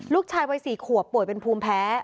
ลูกชายวัย๔ขวบป่วยเป็นภูมิแพ้